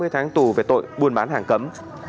hai mươi tháng tù về tội buôn bán hàng cấm